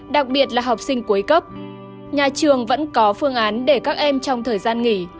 đặc biệt là học sinh cuối cấp nhà trường vẫn có phương án để các em trong thời gian nghỉ